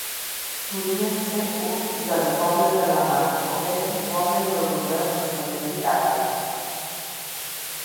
Podrien ser un dels Pobles de la mar o bé un poble indoeuropeu procedent d'Itàlia.